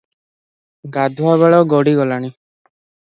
ଗାଧୁଆ ବେଳ ଗଡ଼ି ଗଲାଣି ।